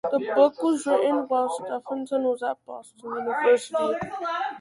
The book was written while Stephenson was at Boston University.